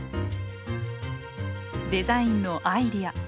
デザインのアイデア。